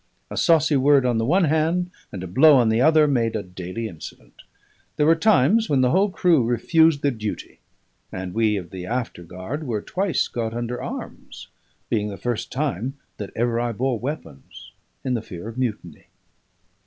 A saucy word on the one hand, and a blow on the other, made a daily incident. There were times when the whole crew refused their duty; and we of the afterguard were twice got under arms being the first time that ever I bore weapons in the fear of mutiny.